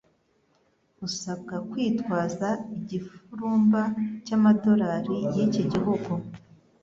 usabwa kwitwaza igifurumba cy'amadolari y'iki gihugu.